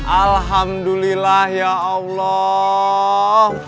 alhamdulillah ya allah